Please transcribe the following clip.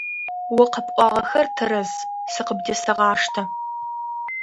О къэпӀуагъэхэр тэрэз, сэ къыбдесэгъаштэ.